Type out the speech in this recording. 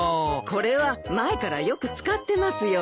これは前からよく使ってますよ。